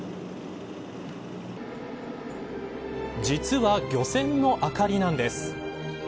実は漁船の明かりなんです。